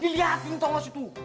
liatin tau gak situ